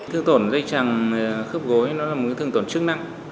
thương tổn dây chẳng khớp gối nó là một thương tổn chức năng